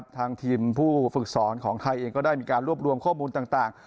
ทางทีมผู้ฝึกสอนของไทยเองก็ได้มีการรวบรวมข้อมูลต่าง